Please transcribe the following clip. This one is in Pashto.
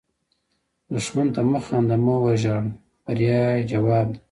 دښمن ته مه خاندئ، مه وژاړئ – بریا یې ځواب ده